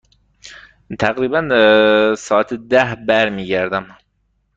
تقریبا ساعت ده برمی گردم.